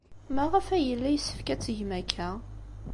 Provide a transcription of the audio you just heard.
Maɣef ay yella yessefk ad tgem aya?